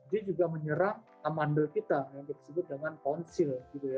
dia juga menyerang amandel kita yang disebut dengan poncil